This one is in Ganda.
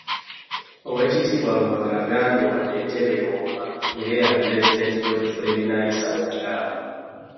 Oweekitiibwa Luwaga agambye wadde entebe ewooma ng'eyali Pulezidenti Godfrey Binaisa bwe yagamba